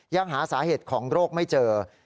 ยังหาสาเหตุของโรคไม่เจอ